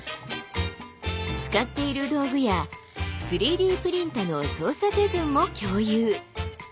使っている道具や３Ｄプリンタの操作手順も共有。